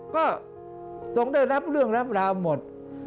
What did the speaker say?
ก็ทรงได้รับเรื่องรับราวหมด